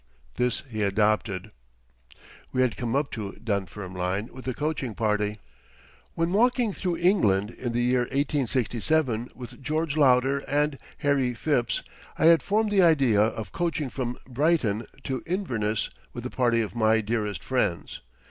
This he adopted. We had come up to Dunfermline with a coaching party. When walking through England in the year 1867 with George Lauder and Harry Phipps I had formed the idea of coaching from Brighton to Inverness with a party of my dearest friends.